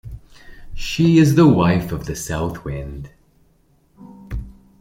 She is the wife of the south wind.